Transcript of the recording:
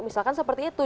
misalkan seperti itu